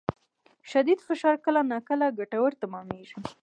شدید فشار کله ناکله ګټور تمامېږي.